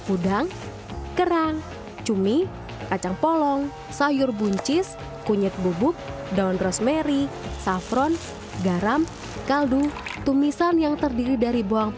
udang kerang cumi kacang polong sayur buncis kunyit bubuk daun rosemary safron garam kaldu tumisan yang terdiri dari bawang putih